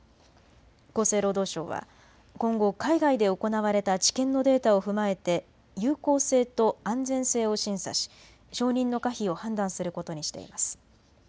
厚生労働省は今後、海外で行われた治験のデータを踏まえて有効性と安全性を審査し承認の可否を判断することにしています。